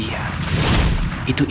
itu ibu dan ibu saya